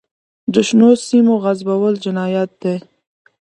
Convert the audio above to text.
د شنو سیمو غصبول جنایت دی.